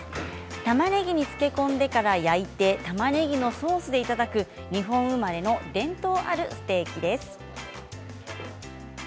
たまねぎに漬け込んでから焼いてたまねぎのソースでいただく日本生まれの伝統あるステーキです。